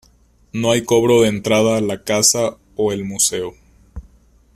No hay cobro de entrada a la casa o el museo.